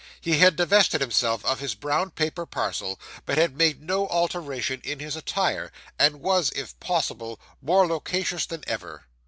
He had divested himself of his brown paper parcel, but had made no alteration in his attire, and was, if possible, more loquacious than ever.